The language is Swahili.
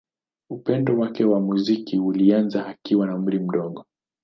Upendo wake wa muziki ulianza akiwa na umri mdogo.